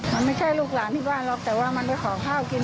มันไม่ใช่ลูกหลานที่บ้านหรอกแต่ว่ามันไปขอข้าวกินบ่อยอะไรอย่างนี้